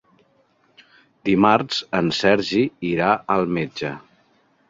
Dimarts en Sergi irà al metge.